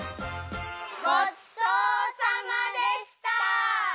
ごちそうさまでした！